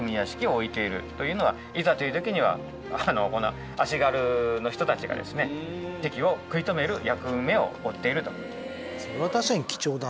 いざという時には足軽の人たちがですね敵を食い止める役目を負っていると。